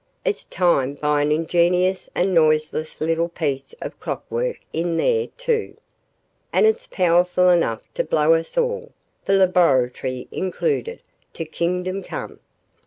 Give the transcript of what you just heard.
"It's timed by an ingenious and noiseless little piece of clockwork, in there, too. And it's powerful enough to blow us all, the laboratory included, to kingdom come."